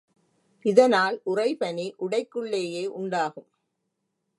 இதனால் உறைபனி உடைக்குள்ளேயே உண்டாகும்.